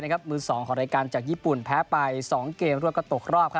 มือ๒ของรายการจากญี่ปุ่นแพ้ไป๒เกมรวดก็ตกรอบ